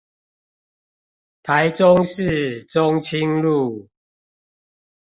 台中市中清路